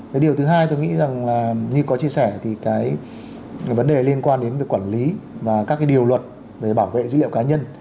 cái điều thứ hai tôi nghĩ rằng là như có chia sẻ thì cái vấn đề liên quan đến việc quản lý và các cái điều luật về bảo vệ dữ liệu cá nhân